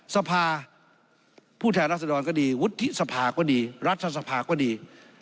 สภาผู้แทนรัศดรก็ดีวุฒิสภาก็ดีรัฐสภาก็ดี